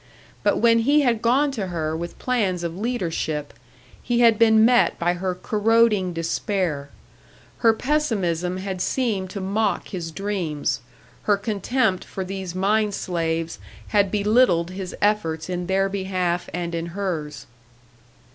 But when he had gone to her with plans of leadership, he had been met by her corroding despair; her pessimism had seemed to mock his dreams, her contempt for these mine slaves had belittled his efforts in their behalf and in hers.